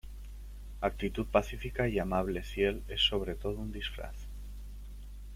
Actitud pacífica y amable Ciel es sobre todo un disfraz.